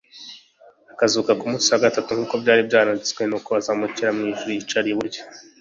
akazuka ku munsi wa gatatu, nk'uko byari byaranditswe, nuko azamukira mu ijuru yicara iburyo